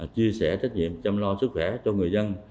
chia sẻ trách nhiệm chăm lo sức khỏe cho người dân